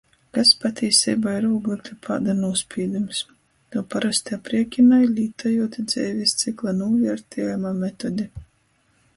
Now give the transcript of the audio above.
Kas patīseibā ir ūglekļa pāda nūspīdums? Tū parosti apriekinoj, lītojūt dzeivis cykla nūviertiejuma metodi.